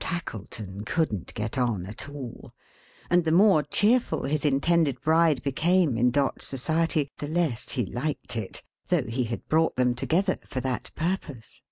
Tackleton couldn't get on at all; and the more cheerful his intended Bride became in Dot's society, the less he liked it, though he had brought them together for that purpose.